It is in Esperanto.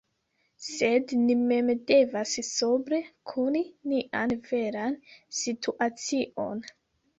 Sed ni mem devas sobre koni nian veran situacion.